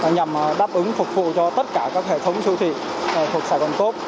nhằm đáp ứng phục vụ cho tất cả các hệ thống siêu thị thuộc sài gòn cốp